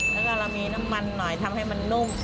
แล้วก็เรามีน้ำมันหน่อยทำให้มันนุ่ม